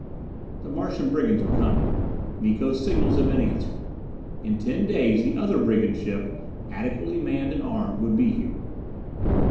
The Martian brigands were coming. Miko's signals had been answered. In ten days the other brigand ship, adequately manned and armed, would be here.